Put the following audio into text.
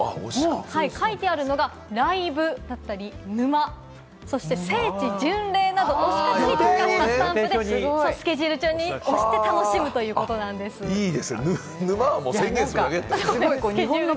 書いてあるのが「ライブ」だったり「沼」、そして「聖地巡礼」など推し活に特化したスタンプで、スケジュール帳に押して楽しむということなあちぃ。